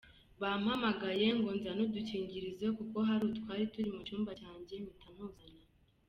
Bampamagaye ngo nzane udukingirizo kuko hari utwari turi mu cyumba cyanjye mpita ntuzana.